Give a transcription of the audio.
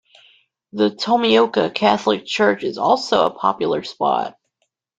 The Tomioka Catholic church is also a popular spot.